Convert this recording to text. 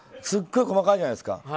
すごい細かいじゃないですか。